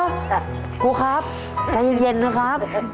ครูครับใจเย็นนะครับ